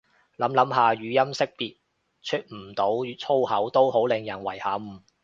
諗諗下語音辨識出唔到粗口都好令人遺憾